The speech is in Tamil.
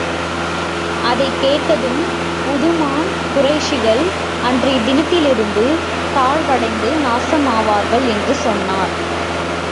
அதைக் கேட்டதும், உதுமான், குறைஷிகள் அன்றைய தினத்திலிருந்து தாழ்வடைந்து நாசமாவார்கள் என்று சொன்னார்.